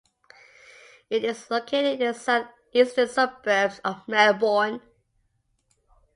It is located in the south-eastern suburbs of Melbourne.